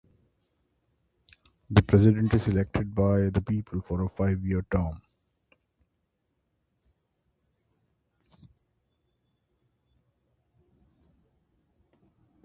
The president is elected by the people for a five-year term.